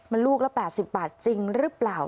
มันลูกละ๘๐บาทจริงหรือเปล่า